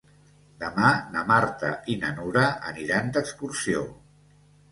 Demà na Marta i na Nura aniran d'excursió.